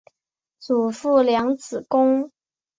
祖父梁子恭。